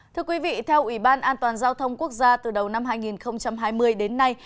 thưa quý vị theo ủy ban an toàn giao thông quốc gia từ đầu năm hai nghìn hai mươi đến nay